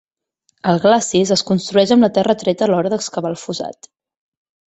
El glacis es construeix amb la terra treta a l'hora d'excavar el fossat.